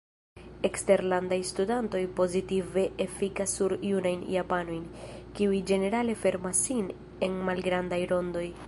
Eksterlandaj studantoj pozitive efikas sur junajn japanojn, kiuj ĝenerale fermas sin en malgrandaj rondoj.